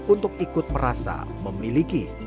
untuk ikut merasa memiliki